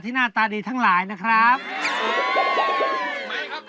ที่หน้าตาดีทั้งหลายนะครับใช่